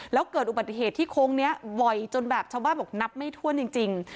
แล้วเกิดอุบัติเหตุที่โค้งนี้บ่อยจนแบบชาวบ้านบอกนับไม่ถ้วนจริง